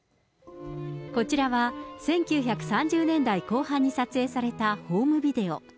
こちらは１９３０年代後半に撮影されたホームビデオ。